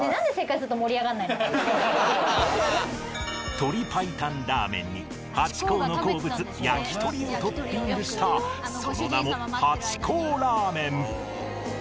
鶏白湯ラーメンにハチ公の好物やきとりをトッピングしたその名もハチ公ラーメン。